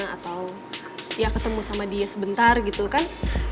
atau ya ketemu sama dia sebentar gitu kan